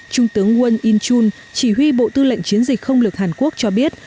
trung tướng won in chun chỉ huy bộ tư lệnh chiến dịch không lực hàn quốc cho biết